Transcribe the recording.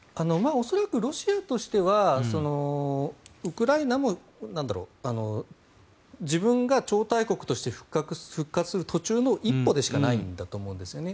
恐らくロシアとしてはウクライナも自分が超大国として復活する途中の一歩でしかないと思うんですね。